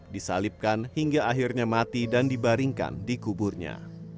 disalipkan hingga akhirnya mati dan dibaringkan di kuburnya